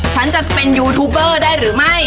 ฉันจะเป็นยูทูบเบอร์ได้หรือไม่